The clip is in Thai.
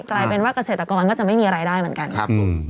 กลายเป็นว่าเกษตรกรก็จะไม่มีรายได้เหมือนกันครับผม